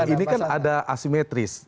ini kan ada asimetris